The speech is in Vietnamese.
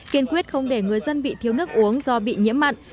kiên quyết không để người dân bị thiếu nước uống do bị nhiễm mặn